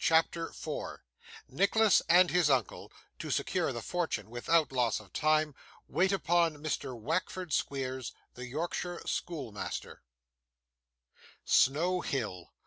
CHAPTER 4 Nicholas and his Uncle (to secure the Fortune without loss of time) wait upon Mr. Wackford Squeers, the Yorkshire Schoolmaster Snow Hill!